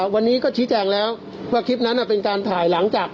วันนี้ก็ชิดแชร์แจงแล้วว่าคลิปนั้นเป็นการถ่าย